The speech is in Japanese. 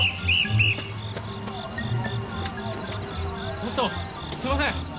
ちょっとすいません。